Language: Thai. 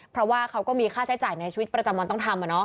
เพราะว่าเขาก็มีค่าใช้จ่ายในชีวิตประจำวันต้องทำ